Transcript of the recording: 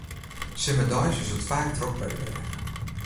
Simmerdeis is it faak drok by de brêge.